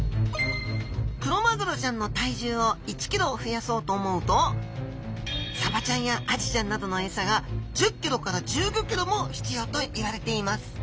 クロマグロちゃんの体重を１ｋｇ増やそうと思うとサバちゃんやアジちゃんなどのエサが１０ｋｇから１５ｋｇも必要といわれています。